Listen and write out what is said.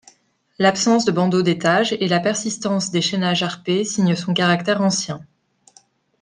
L'absence de bandeau d'étage et la persistance des chaînages harpés signent son caractère ancien.